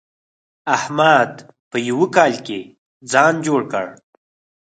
احمد په يوه کال کې ځان جوړ کړ.